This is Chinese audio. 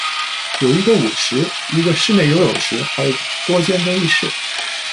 有一个舞池，一个室内游泳池，还有多间更衣室。